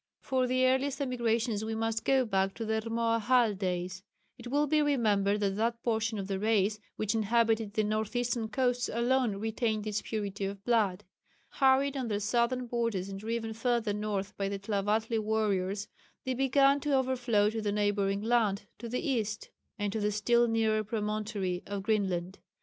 For the earliest emigrations we must go back to the Rmoahal days. It will be remembered that that portion of the race which inhabited the north eastern coasts alone retained its purity of blood. Harried on their southern borders and driven further north by the Tlavatli warriors, they began to overflow to the neighbouring land to the east, and to the still nearer promontory of Greenland.